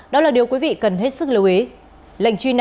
đó là điều quý vị cần hết sức lưu ý